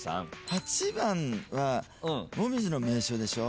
８番は紅葉の名所でしょ？